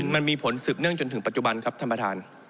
มันมีผลสืบเนื่องจนถึงปัจจุบันครับท่านประธาน